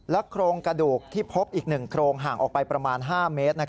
โครงกระดูกที่พบอีก๑โครงห่างออกไปประมาณ๕เมตร